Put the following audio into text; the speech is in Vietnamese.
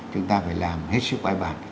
chúng ta phải làm hết sức bãi bản